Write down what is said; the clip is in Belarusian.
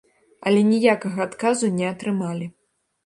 Але ніякага адказу не атрымалі.